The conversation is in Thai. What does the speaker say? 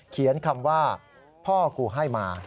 เขียนคำว่าพ่อกูให้มา